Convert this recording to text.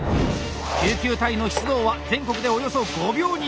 救急隊の出動は全国でおよそ５秒に１回。